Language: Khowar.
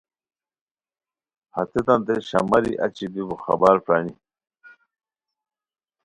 ہتیتانتے شاماری اچی گیکو خبر پرانی